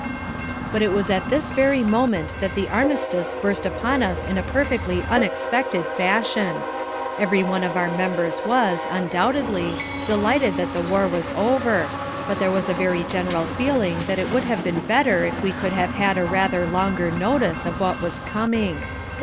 But it was at this very moment that the Armistice burst upon us in a perfectly unexpected fashion. Everyone of our members was, undoubtedly, delighted that the war was over but there was a very general feeling that it would have been better if we could have had a rather longer notice of what was coming.